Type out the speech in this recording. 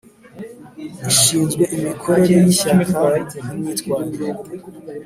ishinzwe imikorere y Ishyaka n imyitwarire